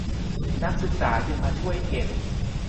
นักศึกษาจึงมาช่วยเก็บ